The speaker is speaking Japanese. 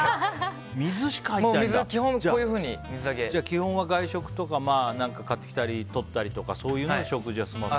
基本は外食とか買ってきたり、とったりとかそういうので食事は済ますの？